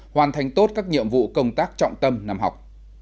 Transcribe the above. hoàn thành tốt các nhiệm vụ công tác trọng tâm năm học